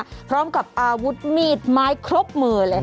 คุณชนะพร้อมกับอาวุฒิมีดไม้ครบมือเลย